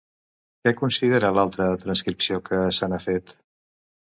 Què considera l'altra transcripció que se n'ha fet?